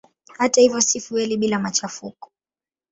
Hata hivyo si fueli bila machafuko.